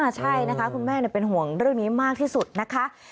ใช่นะคะคุณแม่เป็นห่วงเรื่องนี้มากที่สุดนะคะ